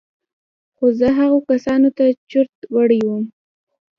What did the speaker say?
خو زه هغو کسانو ته چورت وړى وم.